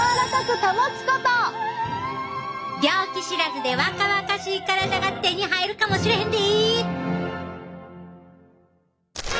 病気知らずで若々しい体が手に入るかもしれへんで！